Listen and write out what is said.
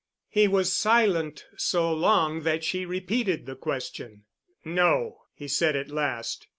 He was silent so long that she repeated the question. "No," he said at last.